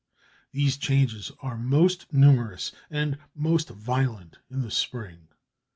These changes are most numerous and most violent in the spring.